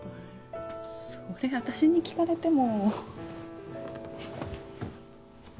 それ私に聞かれても。